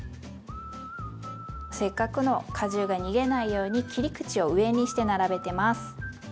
せっかくの果汁が逃げないように切り口を上にして並べてます。